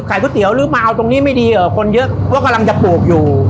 ก๋วยเตี๋ยวหรือมาเอาตรงนี้ไม่ดีคนเยอะก็กำลังจะปลูกอยู่